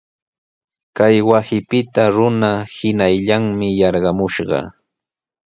Chay wasipita runa hinallanmi yarqamushqa.